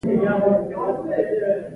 هر څومره کورونه وران شي.